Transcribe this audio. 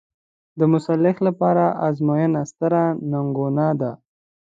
د محصل لپاره ازموینه ستره ننګونه ده.